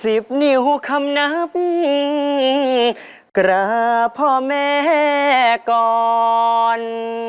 บนิ้วคำนับกราบพ่อแม่ก่อน